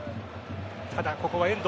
ただ、ここは遠藤。